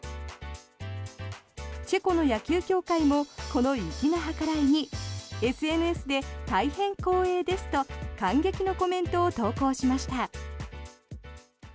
チェコの野球協会もこの粋な計らいにＳＮＳで大変光栄ですと感激のコメントを投稿しました。